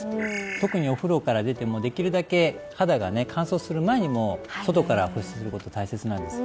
特にお風呂から出てもできるだけ肌がね乾燥する前にもう外から保湿することが大切なんです